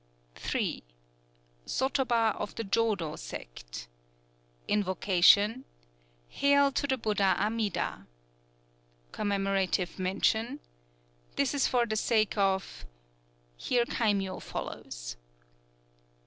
_ III. SOTOBA OF THE JŌDO SECT. (Invocation.) Hail to the Buddha Amida! (Commemorative mention.) This for the sake of (here kaimyō follows).